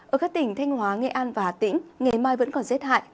ở các tỉnh thanh hóa nghệ an và hà tĩnh ngày mai vẫn còn rét hại